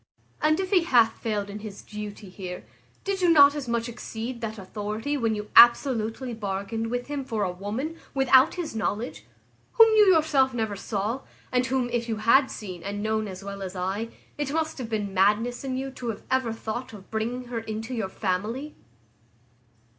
And if he hath failed in his duty here, did you not as much exceed that authority when you absolutely bargained with him for a woman, without his knowledge, whom you yourself never saw, and whom, if you had seen and known as well as I, it must have been madness in you to have ever thought of bringing her into your family?